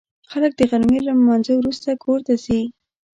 خلک د غرمې له لمانځه وروسته کور ته ځي